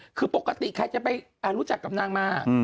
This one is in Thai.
งานน้องปกติใครจะรู้จักกับนางมา